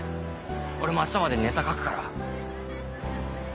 俺も明日までにネタ書くから。